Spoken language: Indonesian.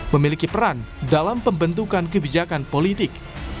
memiliki peran dalam pembentukan kebijakan politik